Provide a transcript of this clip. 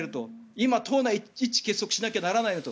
今、党内は一致結束しなきゃならないと。